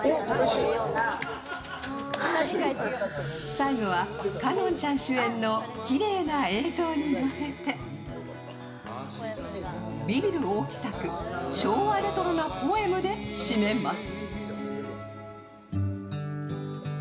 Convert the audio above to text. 最後は香音ちゃん主演のきれいな映像に乗せてビビる大木作、昭和レトロなポエムでしめます。